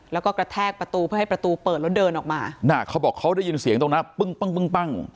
แล้วก็กระแทกประตูเพื่อให้ประตูเปิดแล้วเดินออกมาน่ะเขาบอกเขาได้ยินเสียงตรงนั้นปึ้งปั้งปึ้งปั้ง